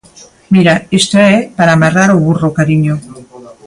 Mira, isto é para amarrar o burro, cariño.